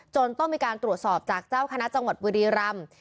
ต้องมีการตรวจสอบจากเจ้าคณะจังหวัดบุรีรำ